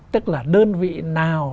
tức là đơn vị nào